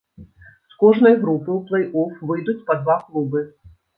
З кожнай групы ў плэй-оф выйдуць па два клубы.